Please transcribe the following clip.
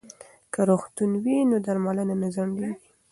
که روغتون وي نو درملنه نه ځنډیږي.